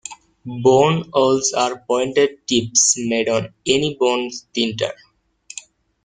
Bone awls are pointed tips made on any bone splinter.